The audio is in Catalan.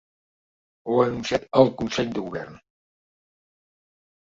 Ho ha anunciat al consell de govern.